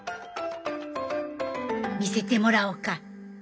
見せてもらおうか。